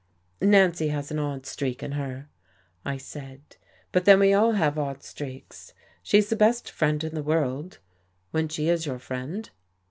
"Nancy has an odd streak in her," I said. "But then we all have odd streaks. She's the best friend in the world, when she is your friend."